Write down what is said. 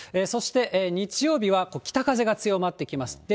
そして、日曜日は北風が強まってきます。